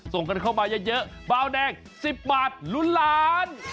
ส่งกันเข้ามาเยอะบาวแดง๑๐บาทลุ้นล้าน